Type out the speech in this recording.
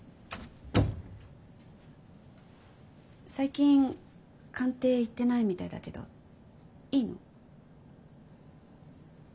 最近官邸行ってないみたいだけどいいの？